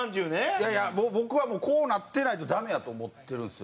いやいや僕はもうこうなってないとダメやと思ってるんですよ。